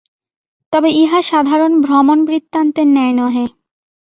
তবে ইহা সাধারণ ভ্রমণবৃত্তান্তের ন্যায় নহে।